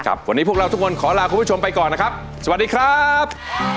วันนี้พวกเราทุกคนขอลาคุณผู้ชมไปก่อนนะครับสวัสดีครับ